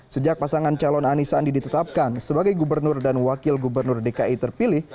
sejak pasangan calon anisandi ditetapkan sebagai gubernur dan wakil gubernur dki terpilih